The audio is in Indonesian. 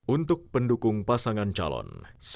untuk pendukung pasangan calon